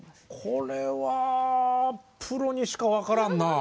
これはプロにしか分からんなあ。